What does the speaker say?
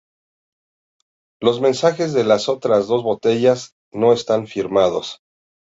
Los mensajes de las otras dos botellas no estaban firmados.